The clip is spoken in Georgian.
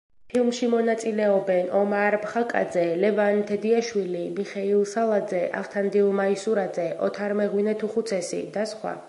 ფილმში მონაწილეობენ: ომარ ფხაკაძე, ლევან თედიაშვილი, მიხეილ სალაძე, ავთანდილ მაისურაძე, ოთარ მეღვინეთუხუცესი და სხვა.